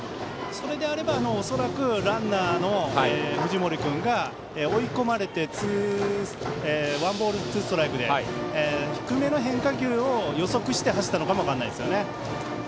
それであればランナーの藤森君が追い込まれてワンボール、ツーストライクで低めの変化球を予測して走ったのかもしれませんね。